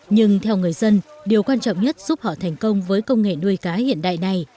nhưng theo người dân điều quan trọng nhất giúp họ thành công với công nghệ nuôi cá hiện đại này